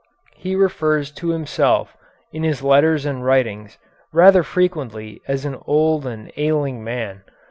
He refers to himself in his letters and writings rather frequently as an old and ailing man.